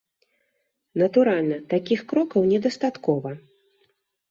Натуральна, такіх крокаў недастаткова.